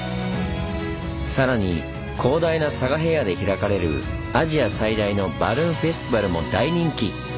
さらに広大な佐賀平野で開かれるアジア最大のバルーンフェスティバルも大人気！